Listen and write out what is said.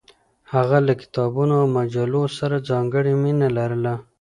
هغه له کتابونو او مجلو سره ځانګړې مینه لرله.